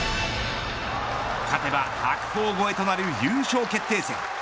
勝てば白鵬超えとなる優勝決定戦。